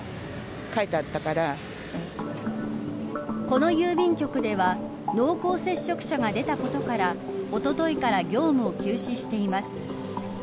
この郵便局では濃厚接触者が出たことからおとといから業務を休止しています。